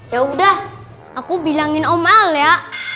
yaudah aku bilangin om al ya